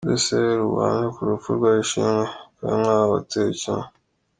Buruseli Ubuhamya ku rupfu rwa Ishimwe Karimwabo watewe icyuma